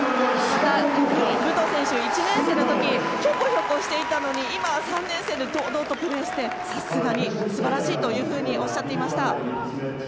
武藤選手、１年生の時ひょこひょこしていたのに今は３年生で堂々とプレーしてさすがに素晴らしいとおっしゃっていました。